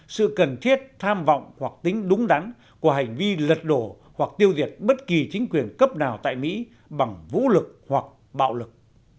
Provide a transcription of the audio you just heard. sự cần thiết tham vọng hoặc tính đúng đắn của hành vi lật đổ hoặc tiêu diệt bất kỳ chính quyền cấp nào tại mỹ bằng vũ lực hoặc bạo lực